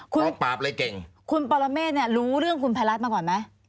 คุณกองปราบเลยเก่งคุณปรเมฆเนี่ยรู้เรื่องคุณภัยรัฐมาก่อนไหม